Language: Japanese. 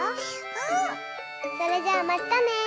うん！それじゃあまったね！